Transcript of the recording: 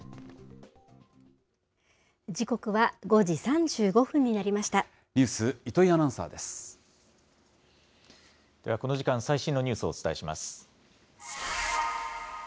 時刻は５時３５分になりましニュース、糸井アナウンサーでは、この時間、最新のニュースをお伝えします。